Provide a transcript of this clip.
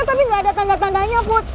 tapi nggak ada tanda tandanya put